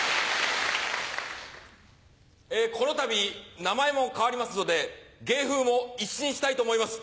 このたび名前も変わりますので芸風も一新したいと思います。